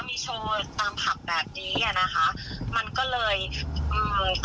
คือถ้าไปถึงขั้นแบบอาญาจารย์แบบ